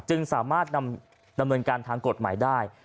จึงสามารถดำเนินการทางกฎหมายได้